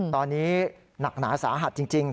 ตอนนี้หนักหนาสาหัสจริง